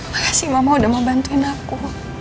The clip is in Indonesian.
makasih mama udah mau bantuin aku